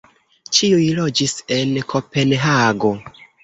Ĉiuj loĝis en Kopenhago.